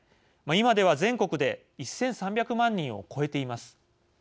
今では全国で１３００万人を超えています。